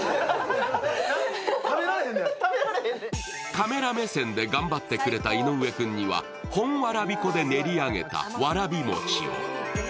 カメラ目線で頑張ってくれた井上君には、本わらび粉で練り上げたわらびもちを。